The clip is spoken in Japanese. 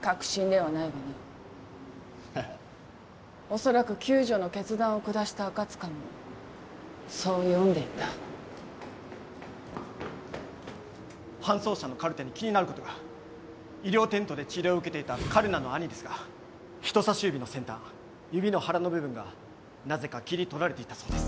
確信ではないがなははっおそらく救助の決断を下した赤塚もそう読んでいた搬送車のカルテに気になることが医療テントで治療を受けていたカルナの兄ですが人さし指の先端指の腹の部分がなぜか切り取られていたそうです